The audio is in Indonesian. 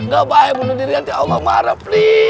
ga bahaya bunuh diri nanti allah marah please